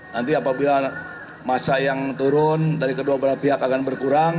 nanti apabila masa yang turun dari kedua belah pihak akan berkurang